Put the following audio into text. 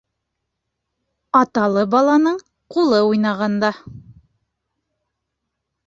Аталы баланың ҡулы уйнағанда